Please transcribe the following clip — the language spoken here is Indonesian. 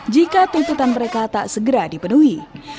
jika tuntutan mereka tak segera dipenuhi